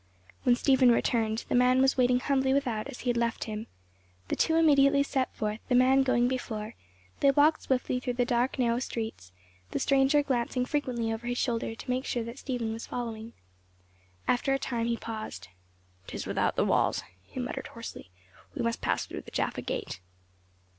When Stephen returned, the man was waiting humbly without as he had left him. The two immediately set forth, the man going before; they walked swiftly through the dark narrow streets, the stranger glancing frequently over his shoulder to make sure that Stephen was following. After a time he paused, "'Tis without the walls," he muttered hoarsely. "We must pass through the Jaffa Gate."